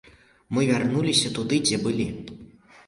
Мы вярнуліся туды, дзе былі.